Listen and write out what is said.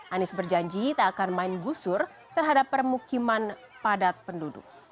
anies berjanji tak akan main gusur terhadap permukiman padat penduduk